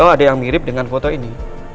kalau ada yang mirip dengan foto ini